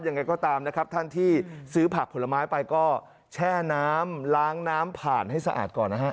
ยังไงก็ตามนะครับท่านที่ซื้อผักผลไม้ไปก็แช่น้ำล้างน้ำผ่านให้สะอาดก่อนนะฮะ